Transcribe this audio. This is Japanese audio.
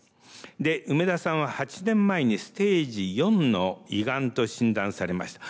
で梅田さんは８年前にステージ４の胃がんと診断されました。